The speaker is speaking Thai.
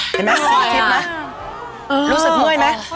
เห็นมั้ย